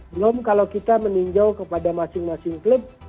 belum kalau kita meninjau kepada masing masing klub